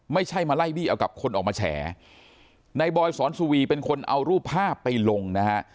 ไม่ใช่มาไล่บี้เอากับคนออกมาแฉในบอยสอนสุวีเป็นคนเอารูปภาพไปลงนะฮะ